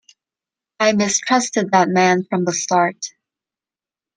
I mistrusted that man from the start.